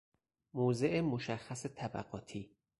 موضع مشخص طبقاتی